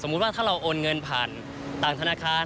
สมมุติว่าถ้าตามหวังเงินผ่านต่างธนาคาร